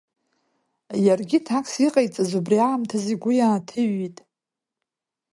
Иаргьы ҭакс иҟаиҵаз убри аамҭаз игәы иааҭыҩҩит…